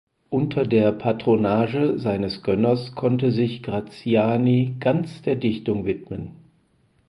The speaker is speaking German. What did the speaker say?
Unter der Patronage seines Gönners konnte sich Graziani ganz der Dichtung widmen.